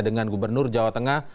dengan gubernur jawa tengah